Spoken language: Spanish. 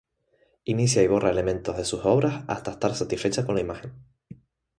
Inicia y borra elementos de sus obras hasta estar satisfecha con la imagen.